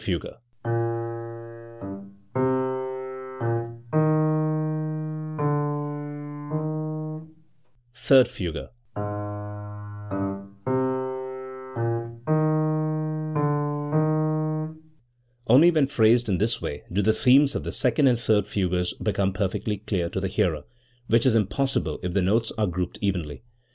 Second fugue: 315 f Third fugue: Only when phrased in this way do the themes of the second and third fugues become perfectly clear to the hearer, which is impossible if the notes are grouped evenly.